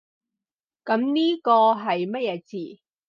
噉呢個係乜嘢字？